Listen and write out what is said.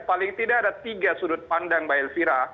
paling tidak ada tiga sudut pandang mbak elvira